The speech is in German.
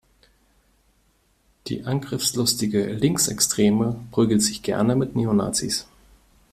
Die angriffslustige Linksextreme prügelt sich gerne mit Neonazis.